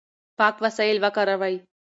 پاک وسایل وکاروئ.